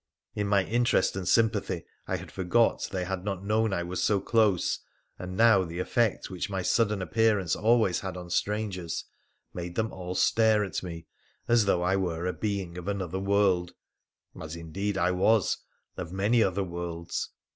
In my interest and sympathy I had forgot they had not known I was so close, and now the effect which my sudden appearance always had on strangers made them all stare at me as though I were a being of another world — as, indeed, I was — of many other worlds.